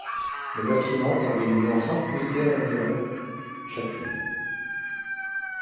Le bâtiment est organisé en cinq unités de environ chacune.